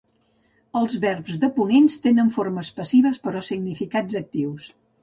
Els verbs deponents tenen formes passives però significats actius.